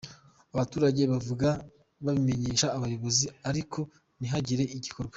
Abaturage bavuga babimenyesha abayobozi ariko ntihagire igikorwa.